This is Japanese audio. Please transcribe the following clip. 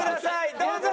どうぞ！